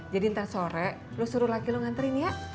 jadi ntar sore lo suruh laki lo nganterin ya